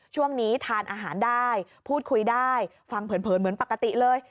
ช่วงนี้ทานอาหารได้พูดคุยได้ฟังเผินเหมือนปกติเลย